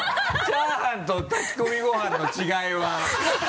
チャーハンと炊き込みご飯の違いは。